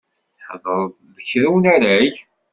Theddreḍ d kra unarag?